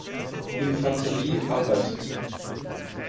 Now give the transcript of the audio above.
Infanterie arbeitete.